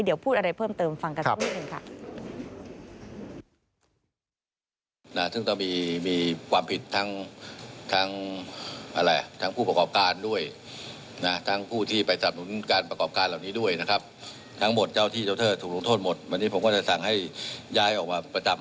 เดี๋ยวพูดอะไรเพิ่มเติมฟังกันครับ